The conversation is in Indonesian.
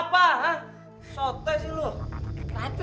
bersotek sih satu